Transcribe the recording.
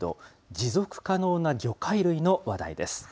持続可能な魚介類の話題です。